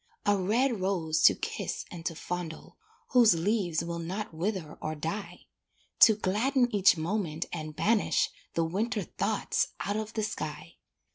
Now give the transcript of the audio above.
A red rose to kiss and to fondle, Whose leaves will not wither or die To gladden each moment and banish The winter thoughts out of the sky.